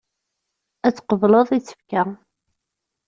Ad tqebleḍ isefka.